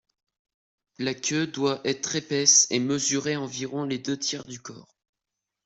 La queue doit être épaisse et mesurer environ les deux tiers du corps.